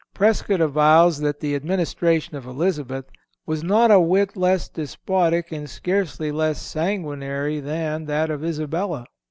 Prescott avows that the administration of Elizabeth was "not a whit less despotic and scarcely less sanguinary than"(318) that of Isabella.